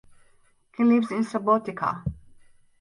He lives in Subotica.